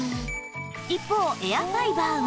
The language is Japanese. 一方エアファイバーは